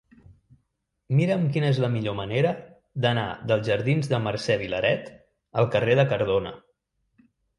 Mira'm quina és la millor manera d'anar dels jardins de Mercè Vilaret al carrer de Cardona.